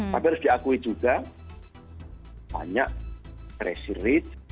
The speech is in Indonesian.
tapi harus diakui juga banyak crazy rich